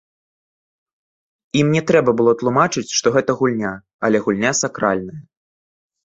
Ім не трэба было тлумачыць, што гэта гульня, але гульня сакральная.